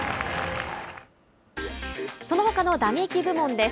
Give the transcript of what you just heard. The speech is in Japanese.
そのほかの打撃部門です。